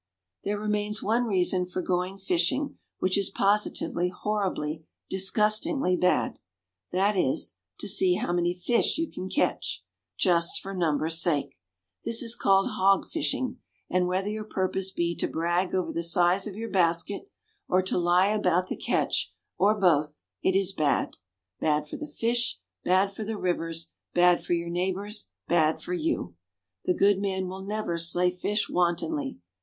There remains one reason for going fishing which is positively horribly, disgustingly bad that is, to see how many fish you can catch, just for numbers' sake. This is called "hog fishing," and whether your purpose be to brag over the size of your basket or to lie about the catch, or both, it is bad bad for the fish, bad for the rivers, bad for your neighbors, bad for you. The good man will never slay fish wantonly.